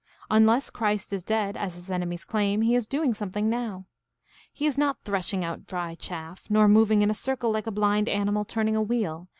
Unless Christ is dead, as his enemies claim, he is doing something now. He is not thresh ing out dry chaff, nor moving in a circle like a blind animal turning a wheel.